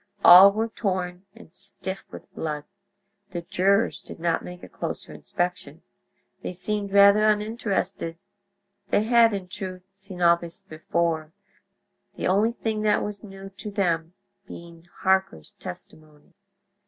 All were torn, and stiff with blood. The jurors did not make a closer inspection. They seemed rather uninterested. They had, in truth, seen all this before; the only thing that was new to them being Harker's testimony.